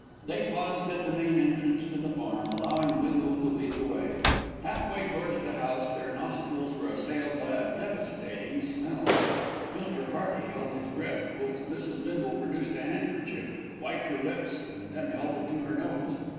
They paused at the main entrance to the farm, allowing Bindle to lead the way. Half way towards the house, their nostrils were assailed by a devastating smell; Mr. Hearty held his breath, whilst Mrs. Bindle produced a handkerchief, wiped her lips and then held it to her nose.